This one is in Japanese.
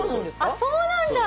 そうなんだ！